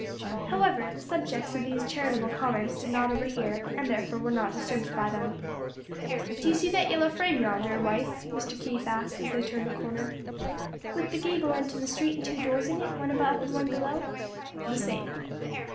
However, the subjects of these charitable comments did not overhear, and therefore were not disturbed by them. "Do you see that yellow frame yonder, wife?" Mr. Keith asked as they turned a corner. "With the gable end to the street and two doors in it, one above and one below?" "The same."